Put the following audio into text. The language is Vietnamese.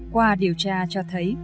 qua điều tra cho thấy